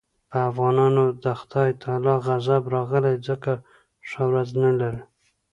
په افغانانو د خدای تعالی غضب راغلی ځکه ښه ورځ نه لري.